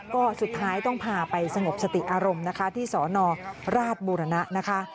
ก็สุดท้ายต้องพาไปสงบสติอารมณ์นะคะที่สนราชบุรณะนะคะ